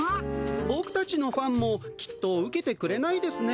ボクたちのファンもきっとウケてくれないですね